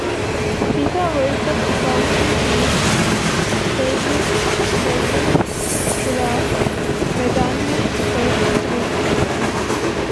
FIFA world cup Japan کی team Belgium کیخلاف میدان میں اترے گی